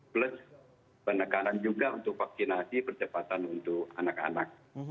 plus penekanan juga untuk vaksinasi percepatan untuk anak anak